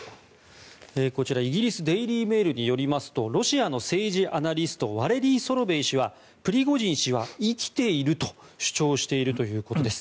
こちらイギリスデイリー・メールによりますとロシアの政治アナリストワレリー・ソロベイ氏はプリゴジン氏は生きていると主張しているということです。